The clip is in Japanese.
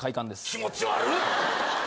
気持ち悪っ。